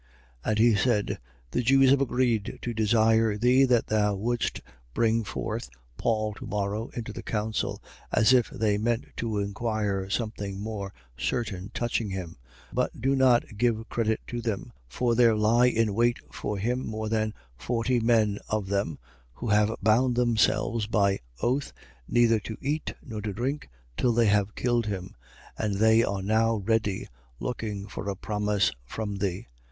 23:20. And he said: The Jews have agreed to desire thee that thou wouldst bring forth Paul to morrow into the council, as if they meant to inquire some thing more certain touching him. 23:21. But do not thou give credit to them: for there lie in wait for him more than forty men of them, who have bound themselves by oath neither to eat nor to drink, till they have killed him. And they are now ready, looking for a promise from thee.